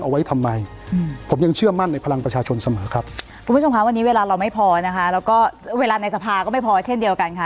เวลาในสภาพก็ไม่พอเช่นเดียวกันค่ะ